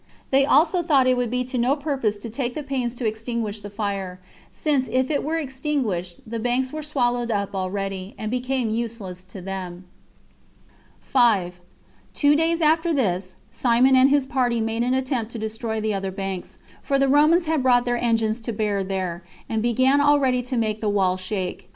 They also thought it would be to no purpose to take the pains to extinguish the fire, since if it were extinguished, the banks were swallowed up already [and become useless to them]. 5. Two days after this, Simon and his party made an attempt to destroy the other banks; for the Romans had brought their engines to bear there, and began already to make the wall shake.